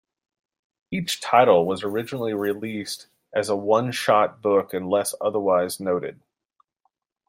Each title was originally released as a one-shot book unless otherwise noted.